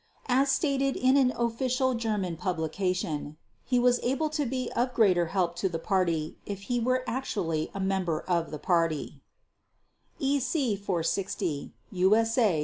As stated in an official German publication, "he was able to be of greater help to the Party than if he were actually a member of the Party" (EC 460, USA 617).